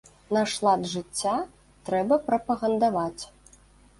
Наш лад жыцця трэба прапагандаваць.